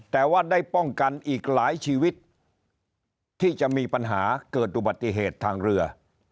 แต่ว่าได้ป้องกันอีกหลายชีวิตที่จะมีปัญหาเกิดอุบัติเหตุทางเรือ